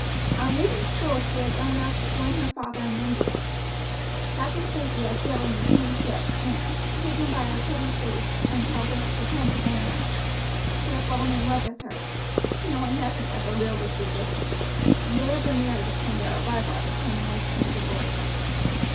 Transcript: On leaving school she had gone out to join her father in India. Captain Sankey had sailed in the same ship and, taken by her pretty face and helpless, dependent manner, he had fallen in love with her, knowing nothing of her real disposition, and they had been married upon their arrival at the termination of the voyage.